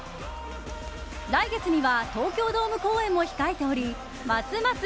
来月には東京ドーム公演も控えておりますます